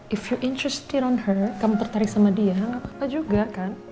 if you're interested on her kamu tertarik sama dia gak apa apa juga kan